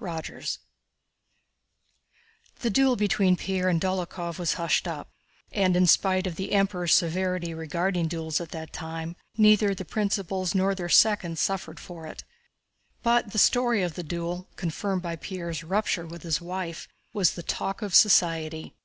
CHAPTER VI The duel between Pierre and Dólokhov was hushed up and, in spite of the Emperor's severity regarding duels at that time, neither the principals nor their seconds suffered for it. But the story of the duel, confirmed by Pierre's rupture with his wife, was the talk of society.